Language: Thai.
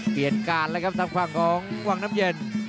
เปลี่ยนการแล้วครับทำขวางของวังน้ำเย็น